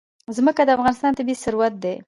ځمکه د افغانستان طبعي ثروت دی.